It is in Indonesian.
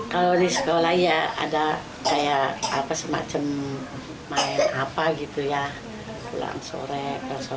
kalau di sekolah ya ada kayak apa semacam main apa gitu ya pulang sore